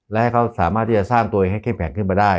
และให้เขาสามารถที่จะสร้างตัวเองให้เข้มแข็งขึ้นมาได้